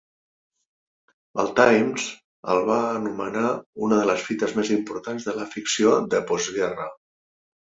El "Times" el va anomenar "una de les fites més importants de la ficció de postguerra".